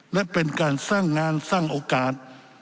และเป็นการสร้างงานสร้างโอกาส